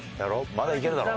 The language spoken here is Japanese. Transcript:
まだいけるだろ。